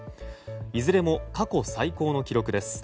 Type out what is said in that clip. いずれも過去最高の記録です。